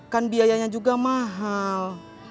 kan biayanya juga mahal